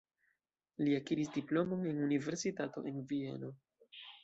Li akiris diplomon en universitato en Vieno.